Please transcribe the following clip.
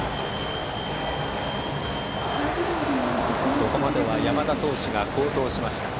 ここまでは山田投手が好投しました。